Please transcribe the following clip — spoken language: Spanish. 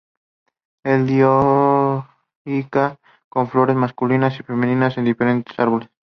Es dioica, con flores masculinas y femeninas en diferentes árboles.